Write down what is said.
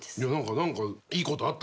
何かいいことあった？